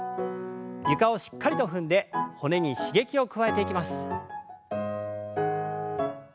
床をしっかりと踏んで骨に刺激を加えていきます。